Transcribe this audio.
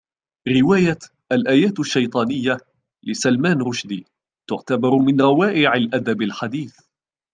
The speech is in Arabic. رواية " الآيات الشيطانية " لسلمان رشدي تُعتبر من روائع الأدب الحديث.